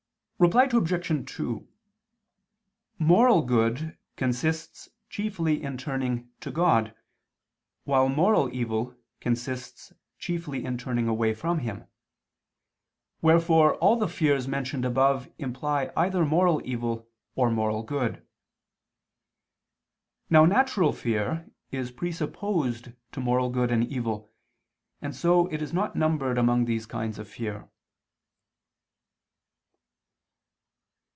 Reply Obj. 2: Moral good consists chiefly in turning to God, while moral evil consists chiefly in turning away from Him: wherefore all the fears mentioned above imply either moral evil or moral good. Now natural fear is presupposed to moral good and evil, and so it is not numbered among these kinds of fear.